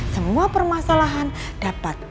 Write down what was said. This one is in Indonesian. semua permasalahan dapat terpenuhi